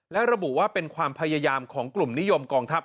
และระบุว่าเป็นความพยายามของกลุ่มนิยมกองทัพ